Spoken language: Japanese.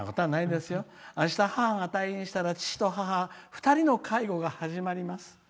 あした、母が退院したら父と母２人の介護が始まります。